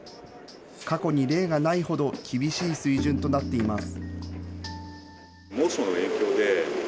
過去に例がないほど厳しい水準となっています。